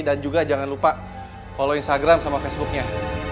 dan juga jangan lupa follow instagram sama facebooknya